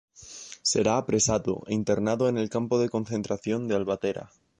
Será apresado, e internado en el campo de concentración de Albatera.